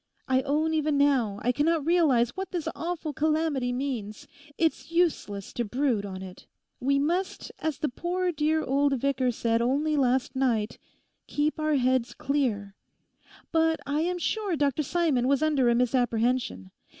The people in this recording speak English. I own even now I cannot realise what this awful calamity means. It's useless to brood on it. We must, as the poor dear old vicar said only last night, keep our heads clear. But I am sure Dr Simon was under a misapprehension.